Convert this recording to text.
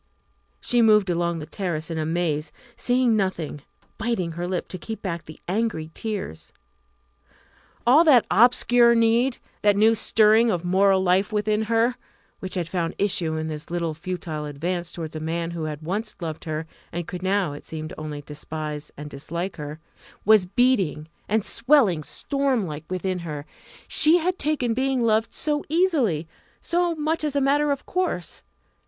She moved along the terrace in a maze, seeing nothing, biting her lip to keep back the angry tears. All that obscure need, that new stirring of moral life within her which had found issue in this little futile advance towards a man who had once loved her and could now, it seemed, only despise and dislike, her was beating and swelling stormlike within her. She had taken being loved so easily, so much as a matter of course!